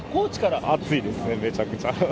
暑いですね、めちゃくちゃ。